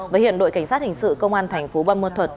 và hiện đội cảnh sát hình sự công an thành phố buôn ma thuật